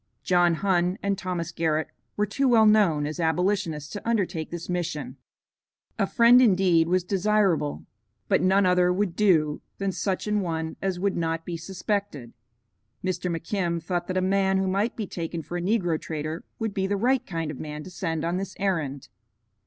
John Hunn and Thomas Garrett were too well known as Abolitionists to undertake this mission. A friend indeed, was desirable, but none other would do than such an one as would not be suspected. Mr. McKim thought that a man who might be taken for a negro trader would be the right kind of a man to send on this errand.